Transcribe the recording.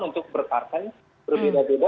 untuk berpartai berbeda beda